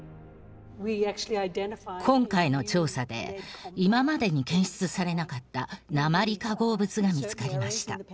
今回の調査で今までに検出されなかった鉛化合物が見つかりました。